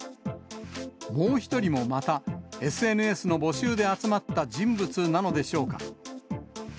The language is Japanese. もう１人もまた、ＳＮＳの募集で集まった人物なのでしょうか。